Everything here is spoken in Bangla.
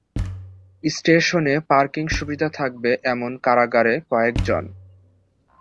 স্টেশনে পার্কিং সুবিধা থাকবে এমন কারাগারে কয়েক জন।